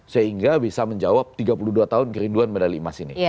sehingga bisa menjawab tiga puluh dua tahun kerinduan medali emas ini